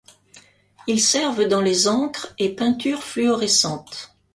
Ils servent dans les encres et peintures fluorescentes.